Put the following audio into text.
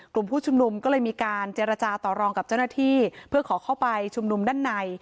กลุ่มผู้ชุมนุมก็เลยมีการเจรจาต่อรองกับเจ้าหน้าที่เพื่อขอเข้าไปชุมนุมด้านใน